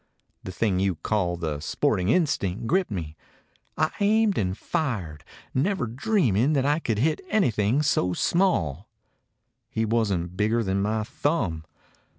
The thing you call the sporting instinct gripped me. I aimed and fired, never dreaming that I could hit any thing so small; he wasn't bigger than my thumb.